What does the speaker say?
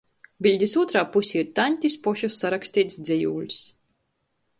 Biļdis ūtrā pusē ir taņtis pošys saraksteits dzejūļs.